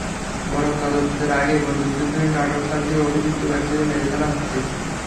বরং তদন্তের আগেই বন্দুকযুদ্ধের নাটক সাজিয়ে অভিযুক্ত ব্যক্তিদের মেরে ফেলা হচ্ছে।